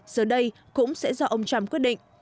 giờ đây cũng sẽ do ông trump quyết định